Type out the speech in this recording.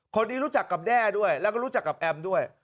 คนนี้รู้จักกับแด้ด้วยแล้วก็รู้จักกับแอมด้วย